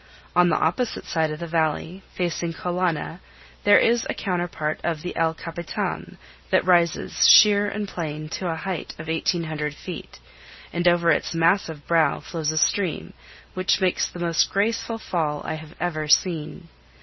On the opposite side of the Valley, facing Kolana, there is a counterpart of the El Capitan that rises sheer and plain to a height of 1800 feet, and over its massive brow flows a stream which makes the most graceful fall I have ever seen.